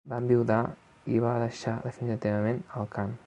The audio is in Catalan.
Va enviudar i va deixar definitivament el cant.